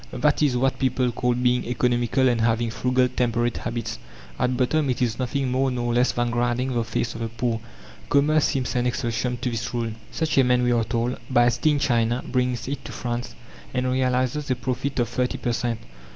That is what people call "being economical and having frugal, temperate habits." At bottom it is nothing more nor less than grinding the face of the poor. Commerce seems an exception to this rule. "Such a man," we are told, "buys tea in China, brings it to France, and realizes a profit of thirty per cent.